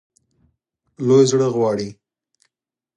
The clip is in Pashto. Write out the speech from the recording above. لوی زړه غواړي.